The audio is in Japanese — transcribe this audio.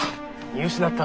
見失った。